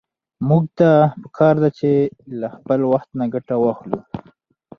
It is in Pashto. موږ ته په کار ده چې له خپل وخت نه ګټه واخلو.